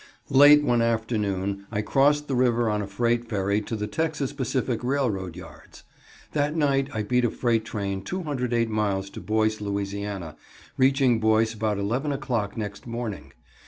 _ Late one afternoon I crossed the river on a freight ferry to the Texas Pacific railroad yards. That night I beat a freight train 208 miles to Boyce, La., reaching Boyce about 11 o'clock next morning.